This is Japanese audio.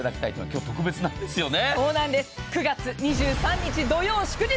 今日、特別なんですよね。